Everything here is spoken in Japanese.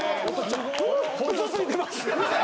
嘘ついてます。